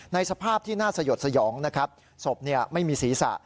สภาพที่น่าสยดสยองนะครับศพไม่มีศีรษะ